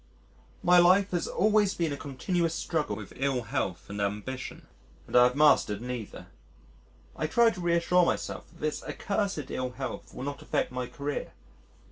My life has always been a continuous struggle with ill health and ambition, and I have mastered neither. I try to reassure myself that this accursed ill health will not affect my career.